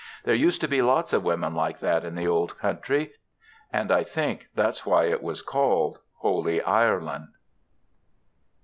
There used to be lots of women like that in the Old Country. And I think that's why it was called 'Holy Ireland.'"